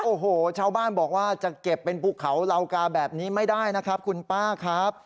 โอ้โหชาวบ้านบอกว่าจะเก็บเป็นภูเขาเหล่ากาแบบนี้ไม่ได้นะครับคุณป้าครับ